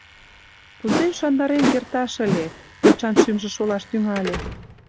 «Кузе ӱшандарен керташ ыле?» — йочан шӱмжӧ шолаш тӱҥале.